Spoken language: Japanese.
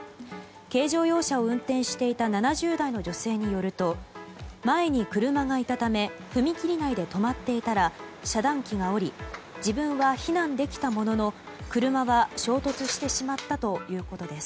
軽乗用車を運転していた７０代の女性によると前に車がいたため踏切内で止まっていたら遮断機が下り自分は避難できたものの車は衝突してしまったということです。